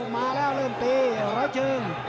มาแล้วเริ่มตีร้อยเชิง